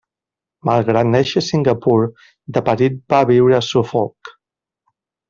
Malgrat néixer a Singapur, de petit va viure a Suffolk.